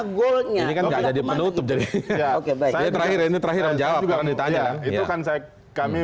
mana goldnya jadi menutup terakhir terakhir menjawab karena ditanya itu kan saya kami